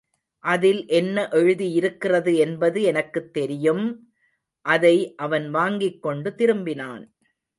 அதில் என்ன எழுதியிருக்கிறது என்பது எனக்குத் தெரியும்! அதை அவன் வாங்கிக் கொண்டு திரும்பினான்.